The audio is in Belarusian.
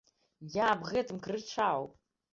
Я аб гэтым крычаў.